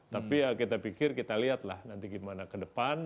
tapi ya kita pikir kita lihatlah nanti gimana ke depan